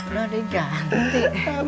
udah deh ganti